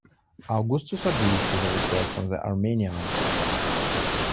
Augustus agreed to the request from the Armenians.